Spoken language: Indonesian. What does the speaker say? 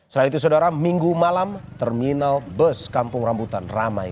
selain itu saudara minggu malam terminal bus kampung rambutan ramai